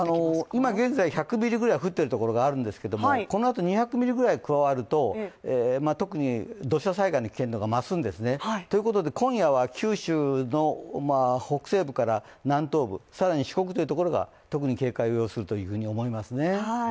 今現在、１００ミリくらい降っているところがあるんですが、このあと２００ミリぐらい加わると特に土砂災害の危険度が増すんですね、ということで今夜は九州の北西部から南東部、更に四国というところが特に警戒を要すると思いますね。